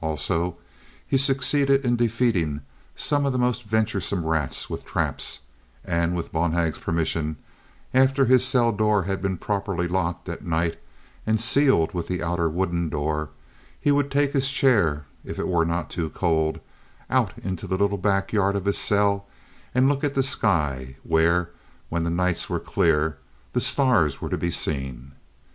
Also he succeeded in defeating some of the more venturesome rats with traps; and with Bonhag's permission, after his cell door had been properly locked at night, and sealed with the outer wooden door, he would take his chair, if it were not too cold, out into the little back yard of his cell and look at the sky, where, when the nights were clear, the stars were to be seen.